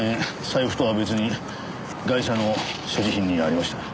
財布とは別にガイシャの所持品にありました。